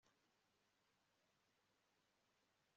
mubagabo barimo nuriya arimo